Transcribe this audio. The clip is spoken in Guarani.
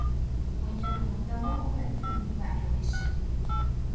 Oñepyrũtavo ombyaty umi mba'e ohecha